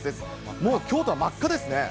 もう京都は真っ赤ですね。